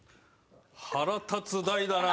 腹立つ台だなおい。